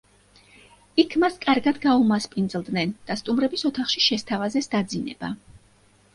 იქ მას კარგად გაუმასპინძლდნენ და სტუმრების ოთახში შესთავაზეს დაძინება.